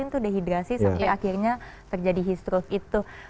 panas sekali ini yang kita takutin tuh dehidrasi sampai akhirnya terjadi histerus itu